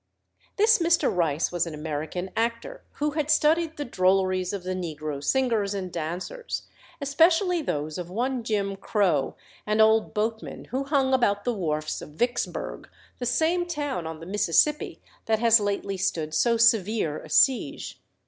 This Mr. Rice was an American actor who had studied the drolleries of the Negro singers and dancers, especially those of one Jim Crow, an old boatman who hung about the wharfs of Vicksburg, the same town on the Mississippi that has lately stood so severe a siege.